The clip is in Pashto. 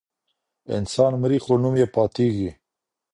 انسان مري خو نوم يې پاتيږي.